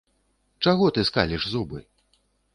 Чаго ты скаліш зубы?